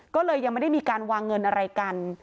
ก็เลยยังไม่ได้มีการวางเงินอะไรกัน